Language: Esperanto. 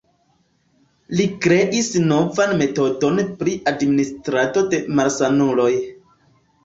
Li kreis novan metodon pri administrado de malsanuloj.